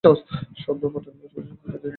শব্দ পাঠানোর পাশাপাশি সবকিছু এটা দিয়ে করা যায়।